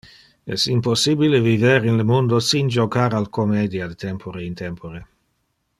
Es impossibile viver in le mundo sin jocar al comedia de tempore in tempore.